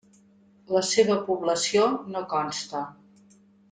La seva població no consta.